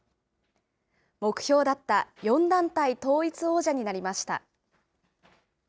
目標だった４団体統一王者になりました。